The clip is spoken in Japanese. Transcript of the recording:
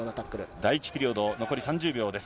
第１ピリオド、残り３０秒です。